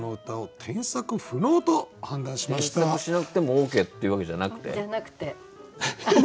添削しなくてもＯＫっていうわけじゃなくて？じゃなくて。